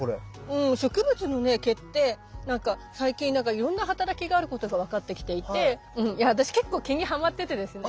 うん植物の毛って最近いろんな働きがあることが分かってきていて私結構毛にハマっててですね。